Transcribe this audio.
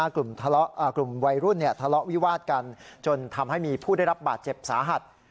กลุ่มวัยรุ่นทะเลาะวิวาดกันจนทำให้มีผู้ได้รับบาดเจ็บสาหัส